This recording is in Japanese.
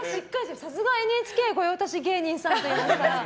さすがＮＨＫ御用達芸人さんといいますか。